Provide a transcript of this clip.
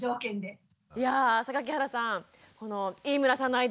いや榊原さん